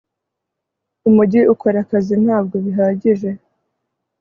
Umujyi ukora akazi Ntabwo bihagije